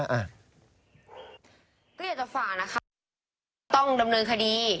ก็อยากจะฝากนะคะต้องดำเนินคดี